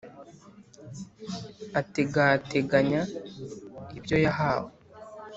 Ategateganya ibyo yahawe;